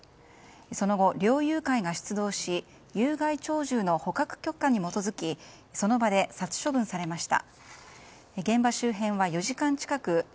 その後、猟友会が出動し有害鳥獣の捕獲許可に基づきその場で殺処分されました。